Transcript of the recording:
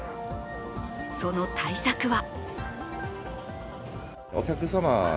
その対策は？